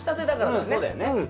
うんそうだよね。